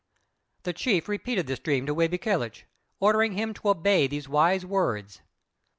The chief repeated this dream to Wābe kèloch, ordering him to obey these wise words.